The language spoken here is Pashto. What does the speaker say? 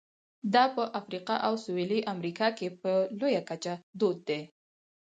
دا په افریقا او سوېلي امریکا کې په لویه کچه دود دي.